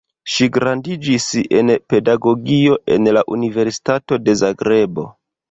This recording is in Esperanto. Ŝi gradiĝis en pedagogio en la Universitato de Zagrebo.